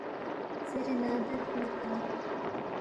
زیرے نہ دا تھینے تیان٘ید